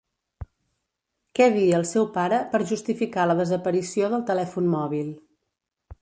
Què dir al seu pare per justificar la desaparició del telèfon mòbil.